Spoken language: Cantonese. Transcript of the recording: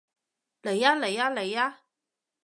嚟吖嚟吖嚟吖